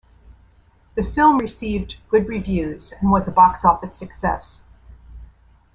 The film received good reviews and was a box office success.